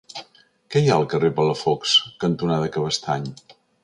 Què hi ha al carrer Palafox cantonada Cabestany?